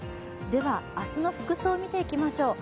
明日の服装を見ていきましょう。